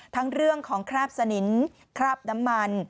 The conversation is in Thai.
เรื่องของคราบสนินคราบน้ำมัน